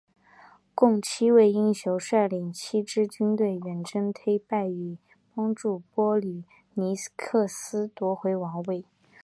共七位英雄率领七支军队远征忒拜以帮助波吕尼克斯夺回王位。